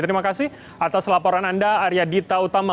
terima kasih atas laporan anda arya dita utama